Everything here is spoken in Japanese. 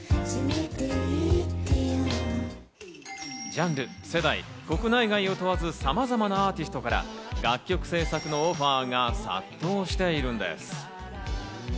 ジャンル、世代、国内外を問わず、さまざまなアーティストから楽曲制作のオファーが殺到しているんです。